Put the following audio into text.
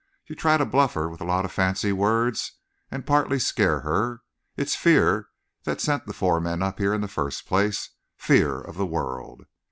You try to bluff her with a lot of fancy words and partly scare her. It's fear that sent the four men up here in the first place fear of the world.